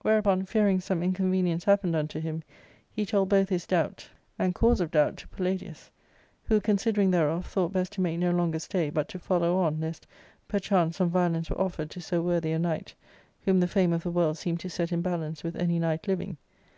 Whereupon, fearing some incon venience happened unto him, he told both his doubt and * cause of doubt to Palladius, who, considering thereof, thought best to make no longer stay but to follow on, lest, perchance, some violence were offered to s(f worthy a knight, whom the 54 ARCADIA.^Book L fame of the world seemed to set in balance with any knight living.